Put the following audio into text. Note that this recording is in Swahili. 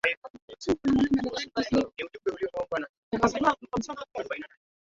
nchini jamhuri ya demokrasia ya kongo